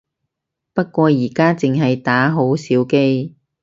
不過而家淨係打好少機